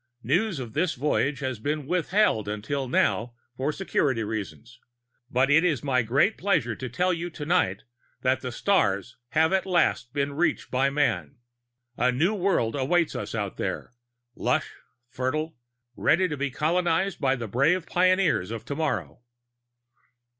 "News of this voyage has been withheld until now for security reasons. But it is my great pleasure to tell you tonight that the stars have at last been reached by man.... A new world waits for us out there, lush, fertile, ready to be colonized by the brave pioneers of tomorrow!"